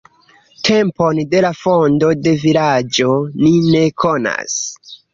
Tempon de la fondo de vilaĝo ni ne konas.